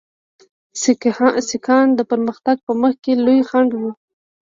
سیکهان د پرمختګ په مخ کې لوی خنډ وو.